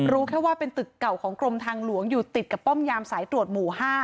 รู้แค่ว่าเป็นตึกเก่าของกรมทางหลวงอยู่ติดกับป้อมยามสายตรวจหมู่๕